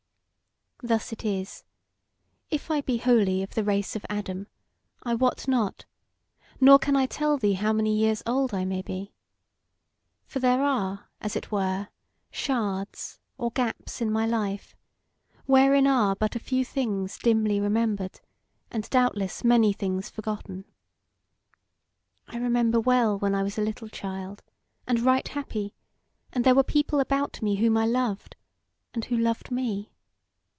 Thus it is: If I be wholly of the race of Adam I wot not nor can I tell thee how many years old I may be. For there are, as it were, shards or gaps in my life, wherein are but a few things dimly remembered, and doubtless many things forgotten. I remember well when I was a little child, and right happy, and there were people about me whom I loved, and who loved me.